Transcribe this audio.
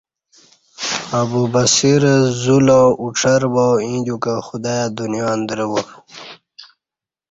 ابوبصیر ذو لاؤ اوڄر با ایں دیوکں خدایا دنیا اندرہ با